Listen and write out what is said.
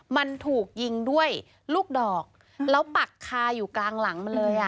มันถูกยิงด้วยลูกดอกแล้วปักคาอยู่กลางหลังมันเลยอ่ะ